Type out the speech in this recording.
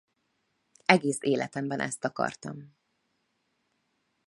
Egész életemben ezt akartam.